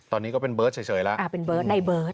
ตอนนี้ก็เป็นเบิร์ตเฉยละ